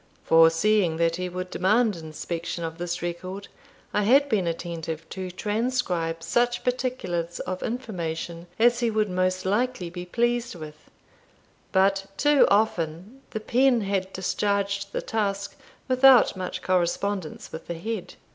Foreseeing that he would demand inspection of this record, I had been attentive to transcribe such particulars of information as he would most likely be pleased with, but too often the pen had discharged the task without much correspondence with the head.